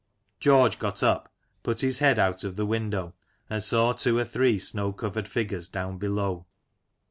George got up, put his head out of the window, and saw two or three snow covered figures down below.